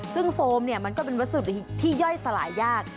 ซึ่งโฟมเนี่ยมันก็เป็นวัสดุที่ย่อยสลายยาก